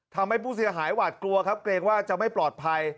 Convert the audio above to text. ทำให้ผู้เสียหายหวาดกลัวครับเกรงว่าจะไม่ปลอดภัย